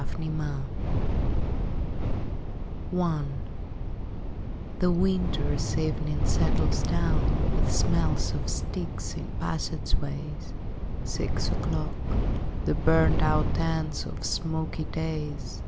Preludes I The winter evening settles down With smell of steaks in passageways. Six o'clock. The burnt out ends of smoky days.